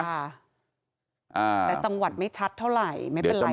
แต่จังหวัดไม่ชัดเท่าไหร่ไม่เป็นไร